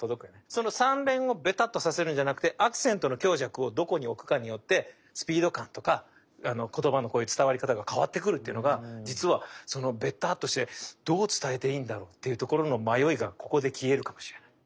その３連をベタッとさせるんじゃなくてアクセントの強弱をどこに置くかによってスピード感とか言葉の伝わり方が変わってくるっていうのが実はそのベタッとしてどう伝えていいんだろう？っていうところの迷いがここで消えるかもしれない。